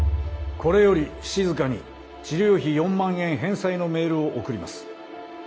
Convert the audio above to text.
これよりしずかに治療費４万円返済のメールを送ります。